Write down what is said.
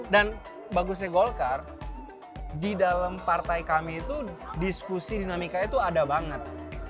dan bagusnya golkar di dalam partai kami itu diskusi dinamikanya tuh ada banget